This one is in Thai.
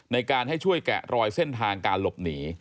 ในการให้ช่วยแกะรอยเส้นทางการหลบหนี